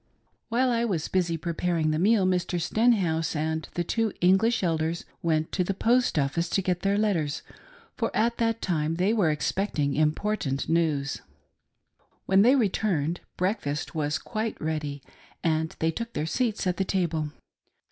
While I was busy preparing the meal, Mr. Stenhouse and the two English Elders went to the post office to get their letters, for at that time they were expecting important news. When they returned, breakfast was quite ready, and they took their seats at the table.